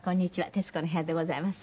『徹子の部屋』でございます。